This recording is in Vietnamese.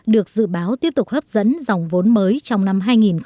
được dự báo tiếp tục hấp dẫn dòng vốn mới trong năm hai nghìn một mươi chín